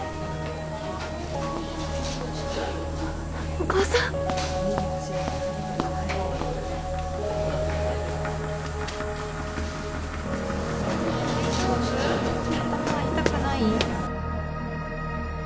お母さん・痛くない？